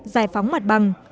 giải phóng mặt bằng